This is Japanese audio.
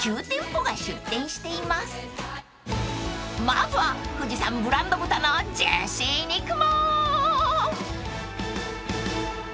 ［まずは富士山ブランド豚のジューシー肉まん］